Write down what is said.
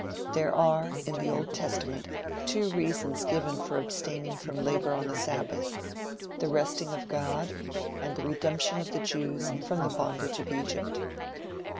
There are, in the Old Testament, two reasons given for abstaining from labor on the sabbath: the resting of God, and the redemption of the Jews from the bondage of Egypt.